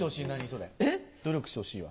それ「努力してほしい」は。